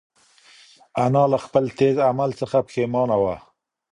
انا له خپل تېز عمل څخه پښېمانه وه.